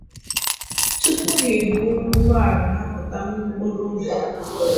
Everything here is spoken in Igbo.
tupu ha eburu ụgbọala ha pụta n'okporoụzọ